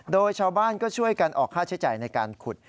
โดยชาวบ้านก็ช่วยกันออกค่าใช้จ่ายในการขุด